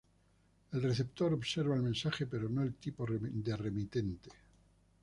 El receptor observa el mensaje pero no el tipo de remitente.